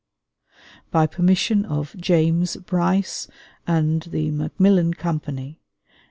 By permission of James Bryce and the Macmillan Company.